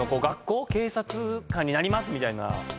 警察官になりますみたいな。